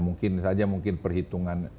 mungkin saja mungkin perhitungan